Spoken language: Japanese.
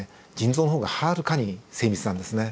腎臓の方がはるかに精密なんですね。